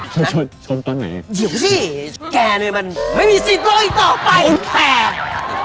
ด่าไก่ก่อนนะอยู่สิแกเลยมันไม่มีสิทธิ์ด้วยต่อไปแพง